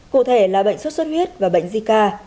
cụ thể là bệnh sốt xuất huyết và bệnh zika